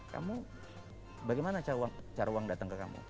kamu bagaimana cara uang datang ke kamu